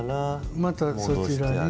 またそちらに。